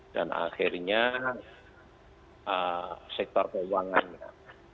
dan akhirnya sektor keuangannya